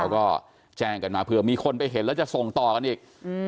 ก็แจ้งกันมาเผื่อมีคนไปเห็นแล้วจะส่งต่อกันอีก